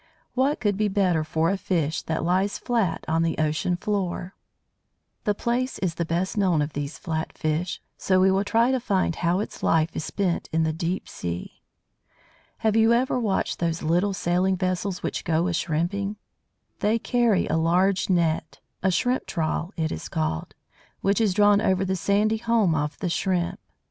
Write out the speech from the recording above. What could be better for a fish that lies flat on the ocean floor? The Plaice is the best known of these flat fish, so we will try to find how its life is spent in the deep sea. Have you ever watched those little sailing vessels which go a shrimping? They carry a large net a shrimp trawl, it is called which is drawn over the sandy home of the Shrimp.